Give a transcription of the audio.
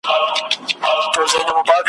څو شېبو هوښیاری سره ساه ورکړي ,